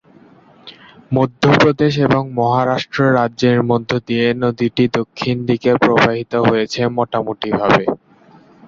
মধ্য প্রদেশ এবং মহারাষ্ট্র রাজ্যের মধ্যে দিয়ে নদীটি দক্ষিণ দিকে প্রবাহিত হয়েছে, মোটামুটিভাবে।